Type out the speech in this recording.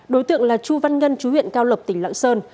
đối tượng là chu văn ngân chú huyện cao lộc tỉnh lạng sơn